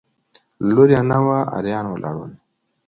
لور یې نه وه اریان ولاړل.